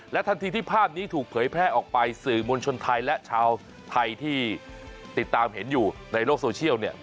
ทันทีที่ภาพนี้ถูกเผยแพร่ออกไปสื่อมวลชนไทยและชาวไทยที่ติดตามเห็นอยู่ในโลกโซเชียลเนี่ย